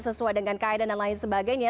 sesuai dengan kaedah dan lain sebagainya